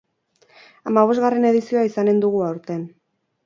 Hamabosgarren edizioa izanen dugu aurten.